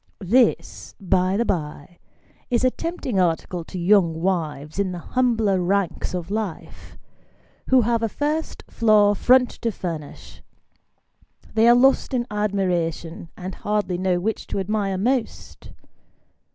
This, by the bye, is a tempting article to young wives in the humbler ranks of life, who have a first floor front to furnish they are lost in admiration, and hardly know which to admire most.